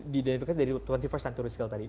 diidentifikasi dari dua puluh satu st century skill tadi